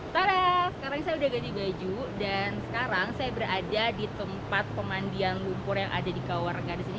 tadaaa sekarang saya sudah ganti baju dan sekarang saya berada di tempat pemandian lumpur yang ada di kawarangganis ini